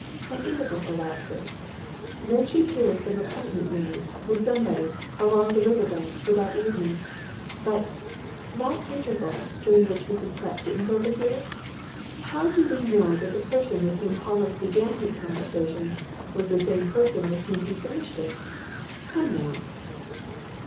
An interval elapses. Then she hears some appointment made, with somebody, along the river bank, for that evening. But that interval during which Mrs. Pratt didn't overhear? How do we know that the person with whom Hollis began his conversation was the same person with whom he finished it? Come, now!"